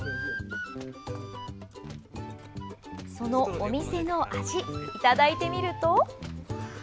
そのお店の味いただいてみると。